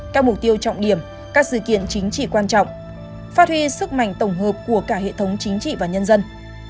các mục tiêu trọng điểm các sự kiện chính trị quan trọng phát huy sức mạnh tổng hợp của cả hệ thống chính trị và nhân dân